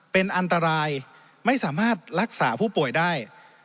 เป็นอันตรายไม่สามารถรักษาผู้ป่วยได้